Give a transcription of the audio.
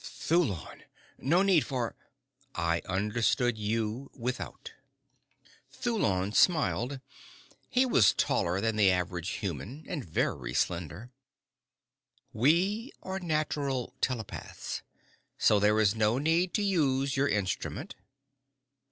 "Thulon! No need for I understood you without " Thulon smiled. He was taller than the average human, and very slender. "We are natural telepaths. So there is no need to use your instrument."